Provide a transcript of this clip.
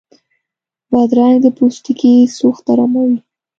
بادرنګ د پوستکي سوخت اراموي.